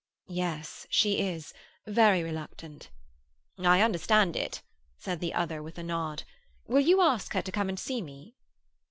"Yes, she is; very reluctant." "I understand it," said the other, with a nod. "Will you ask her to come and see me?"